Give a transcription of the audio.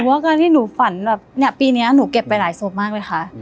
หนูว่าการที่หนูฝันแบบีนี้น่าหนูเก็บไปหลายศวมมากเลยค่ะ